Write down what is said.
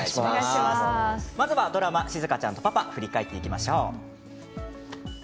まずはドラマ「しずかちゃんとパパ」を振り返っていきましょう。